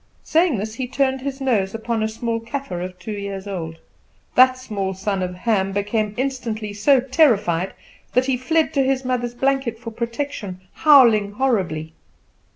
Saying this, he turned his nose full upon a small Kaffer of two years old. That small naked son of Ham became instantly so terrified that he fled to his mother's blanket for protection, howling horribly.